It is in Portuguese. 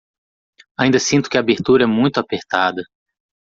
Ainda sinto que a abertura é muito apertada